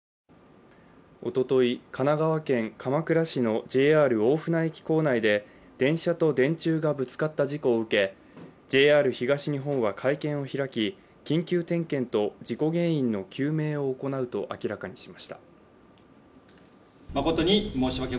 おととい、神奈川県鎌倉市のＪＲ大船駅構内で電車と電柱がぶつかった事故を受け、ＪＲ東日本は会見を開き緊急点検と事故原因の究明を行うと明らかにしました。